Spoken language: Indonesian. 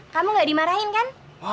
kamu gak dimarahin kan